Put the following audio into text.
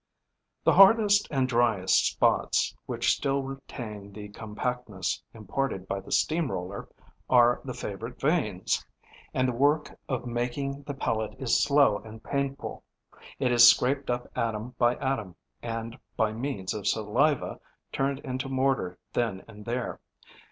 The hardest and driest spots, which still retain the compactness imparted by the steam roller, are the favourite veins; and the work of making the pellet is slow and painful. It is scraped up atom by atom; and, by means of saliva, turned into mortar then and there.